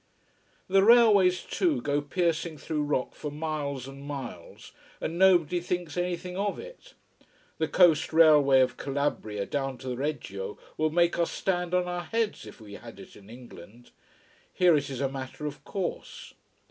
The railways too go piercing through rock for miles and miles, and nobody thinks anything of it. The coast railway of Calabria, down to Reggio, would make us stand on our heads if we had it in England. Here it is a matter of course.